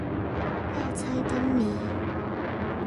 要猜燈謎